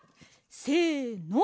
せの！